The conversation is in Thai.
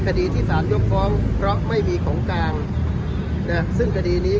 คดีที่สารยกฟ้องเพราะไม่มีของกลางนะซึ่งคดีนี้